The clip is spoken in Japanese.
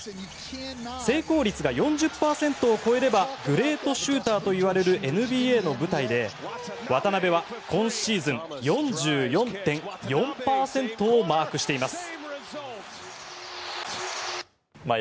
成功率が４０％を超えればグレートシューターと呼ばれるＮＢＡの舞台で渡邊は今シーズン４４．４％をマークしています。